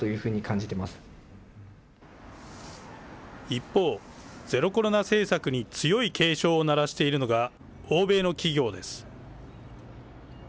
一方、ゼロコロナ政策に強い警鐘を鳴らしているのが、欧米の企業です。